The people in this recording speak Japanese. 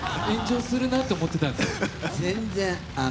炎上するなと思ってたんですよ